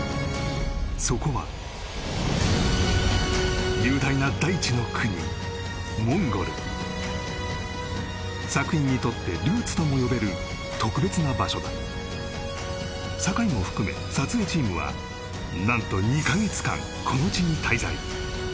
そこは雄大な大地の国モンゴル作品にとってルーツとも呼べる特別な場所だ堺も含め撮影チームは何と２カ月間この地に滞在